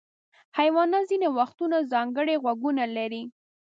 حیوانات ځینې وختونه ځانګړي غوږونه لري.